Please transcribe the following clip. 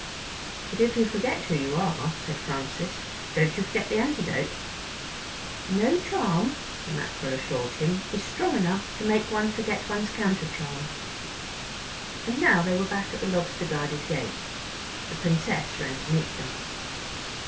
"But if you forget who you are," said Francis, "don't you forget the antidote?" "No charm," the Mackerel assured him, "is strong enough to make one forget one's counter charm." And now they were back at the Lobster guarded gate. The Princess ran to meet them.